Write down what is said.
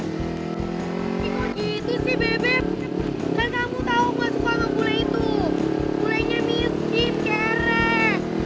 ipun gitu sih beb